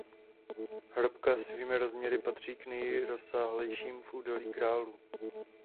Hrobka svými rozměry patří k nejrozsáhlejším v Údolí králů.